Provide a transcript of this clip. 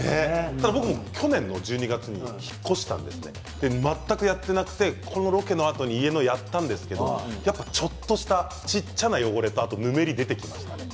僕も去年の１２月に引っ越して全くやっていなかったのでこのロケのあとに家のをやったんですけれど、やっぱりちょっとした小さな汚れてぬめりが出てきました。